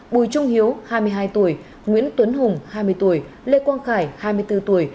bùi trung hiếu hai mươi hai tuổi nguyễn tuấn hùng hai mươi tuổi lê quang khải hai mươi bốn tuổi